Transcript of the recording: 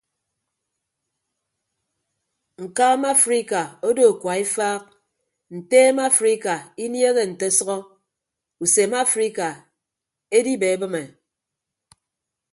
Ñkaama afrika odo kua efaak nteem afrika inieehe nte ọsʌhọ usem afrika edibeebịme.